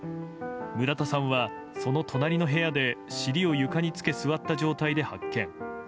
村田さんは、その隣の部屋で尻を床につけ、座った状態で発見。